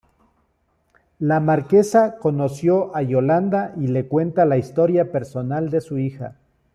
La marquesa, conoció a Yolanda y le cuenta la historia personal de su hija.